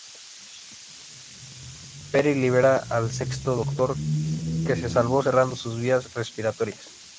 Peri libera al Sexto Doctor, que se salvó cerrando sus vías respiratorias.